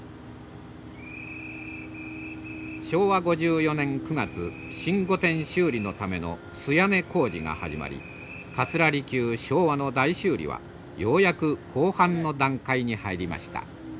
昭和５４年９月新御殿修理のための素屋根工事が始まり桂離宮昭和の大修理はようやく後半の段階に入りました。